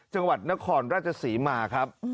จังหวัดนครราชศรีมาครับ